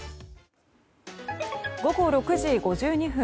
午後６時５２分。